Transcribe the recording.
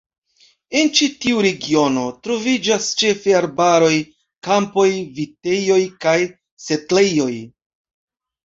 En ĉi tiu regiono troviĝas ĉefe arbaroj, kampoj, vitejoj kaj setlejoj.